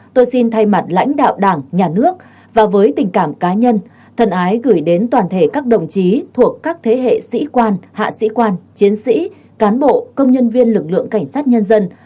tôi xin thay mặt lãnh đạo đảng nhà nước và với tình cảm cá nhân thân ái gửi đến toàn thể các đồng chí thuộc các thế hệ sĩ quan hạ sĩ quan chiến sĩ cán bộ công nhân viên lực lượng cảnh sát nhân dân